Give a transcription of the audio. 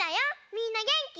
みんなげんき？